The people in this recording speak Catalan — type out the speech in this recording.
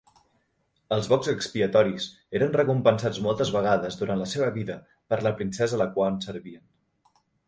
Els bocs expiatoris eren recompensats moltes vegades durant la seva vida per la princesa a la quan servien.